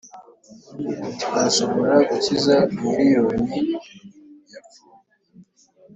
'twashobora gukiza miliyoni yapfuye.